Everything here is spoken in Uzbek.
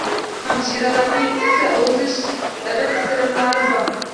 Hamshiralarning esa o`z irim-sirimlari bor